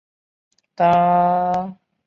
开车公车